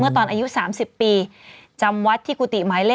ลุงพลก็หน้าตาดีนั่นแหละถ้าเอาจริงนั่นแหละ